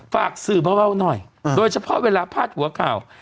ฝากสื่อเบาหน่อยโดยเฉพาะเวลาพาดหัวข่าว